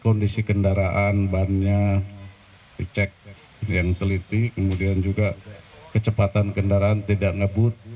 kondisi kendaraan bannya dicek yang teliti kemudian juga kecepatan kendaraan tidak ngebut